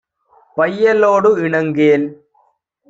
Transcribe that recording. பையலோடு இணங்கேல்.